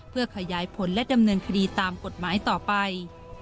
เพื่อขยายผลและดำเนินคดีตามกฎหมายต่อไป